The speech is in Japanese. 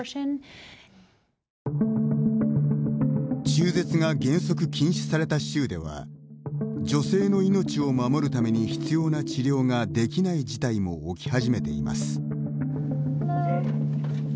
中絶が原則禁止された州では女性の命を守るために必要な治療ができない事態も起き始めています。